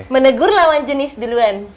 menegur lawan jenis duluan